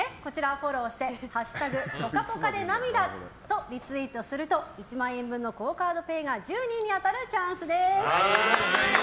フォローして「＃ぽかぽかで涙」とリツイートすると１万円分のＱＵＯカードＰａｙが１０人に当たるチャンスです。